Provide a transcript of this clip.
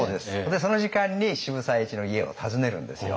でその時間に渋沢栄一の家を訪ねるんですよ。